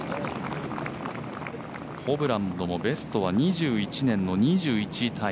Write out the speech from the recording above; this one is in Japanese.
ホブランドもベストは２１年の２１位タイ。